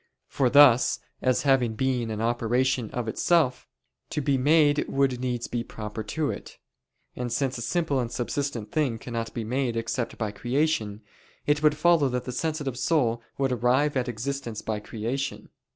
For thus, as having being and operation of itself, to be made would needs be proper to it. And since a simple and subsistent thing cannot be made except by creation, it would follow that the sensitive soul would arrive at existence by creation.